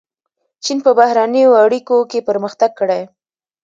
چین په بهرنیو اړیکو کې پرمختګ کړی.